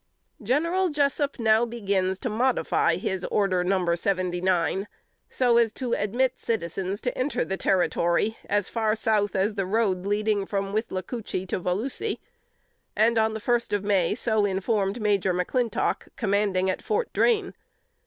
" General Jessup now began to modify his order, No. 79, so as to admit citizens to enter the Territory as far south as the road leading from Withlacoochee to Volusi; and, on the first of May, so informed Major McClintock, commanding at Fort Drane.